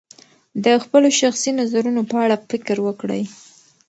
د خپلو شخصي نظرونو په اړه فکر وکړئ.